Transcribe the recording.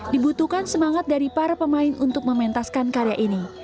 dibutuhkan semangat dari para pemain untuk mementaskan karya ini